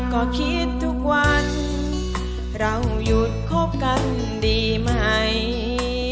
ก็คิดทุกวันเราหยุดคบกันดีไหม